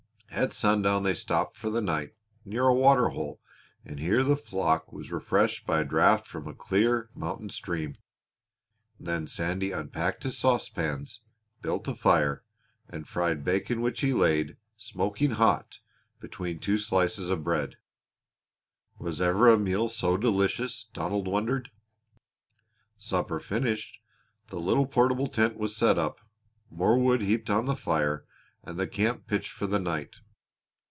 At sundown they stopped for the night near a water hole and here the flock was refreshed by a draught from a clear mountain stream. Then Sandy unpacked his saucepans, built a fire, and fried bacon which he laid smoking hot between two slices of bread. Was ever a meal so delicious, Donald wondered! Supper finished, the little portable tent was set up, more wood heaped on the fire, and the camp pitched for the night.